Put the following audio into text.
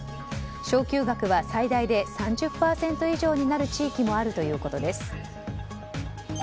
昇給額は最大で３０％以上になる地域もあるということです。